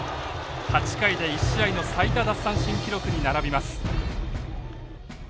８回で１試合の最多奪三振記録に並びます。